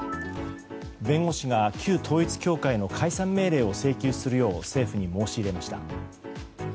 弁護士が、旧統一教会の解散命令を請求するよう政府に申し入れました。